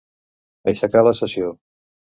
Aixecar la sessió.